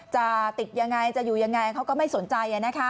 จะติดยังไงจะอยู่ยังไงเขาก็ไม่สนใจ